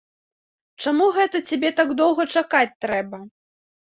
Чаму гэта цябе так доўга чакаць трэба?